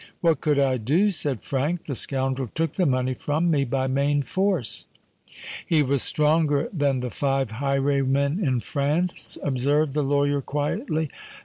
"What could I do?" said Frank. "The scoundrel took the money from me by main force." "He was stronger than the five highwaymen in France," observed the lawyer quietly.